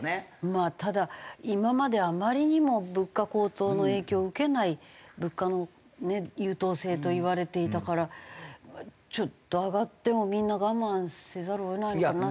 まあただ今まであまりにも物価高騰の影響を受けない物価の優等生といわれていたからちょっと上がってもみんな我慢せざるを得ないのかなっていう。